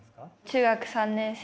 中学３年生。